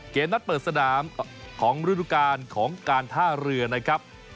เกมนัดเปิดสนามของฤดูการของการท่าเรือนะครับ